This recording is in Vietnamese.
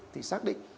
thì xác định